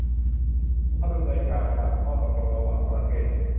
ต้องดำเนินการตามข้อตกลงระหว่างประเทศ